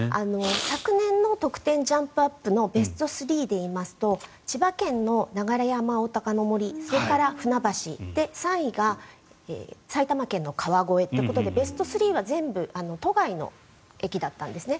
昨年の得点ジャンプアップのベスト３でいいますと千葉県の流山おおたかの森それから船橋で３位が埼玉県の川越ということでベスト３は全部都外の駅だったんですね。